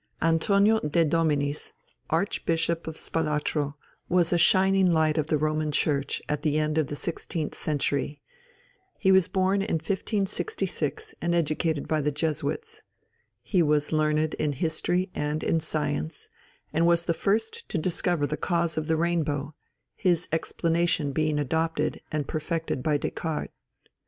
Antonio de Dominis, Archbishop of Spalatro, was a shining light of the Roman Church at the end of the sixteenth century. He was born in 1566, and educated by the Jesuits. He was learned in history and in science, and was the first to discover the cause of the rainbow, his explanation being adopted and perfected by Descartes.